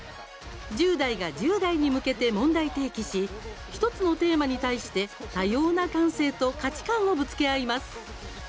１０代が１０代に向けて問題提起し１つのテーマに対して多様な感性と価値観をぶつけ合います。